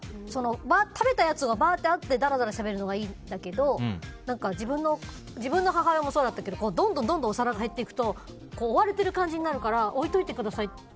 食べたやつがばーってあってだらだらしゃべるのはいいんだけど自分の母親もそうだったけどどんどんお皿が減っていくと追われてる感じになるから置いておいてください